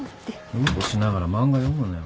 うんこしながら漫画読むなよ。